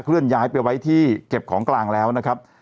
เลื่อนย้ายไปไว้ที่เก็บของกลางแล้วนะครับ